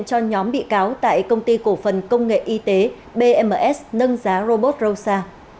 cho nhóm bị cáo tại công ty cổ phần công nghệ y tế bms nâng giá robot rosa